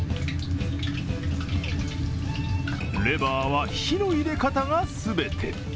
レバーは火の入れ方が全て。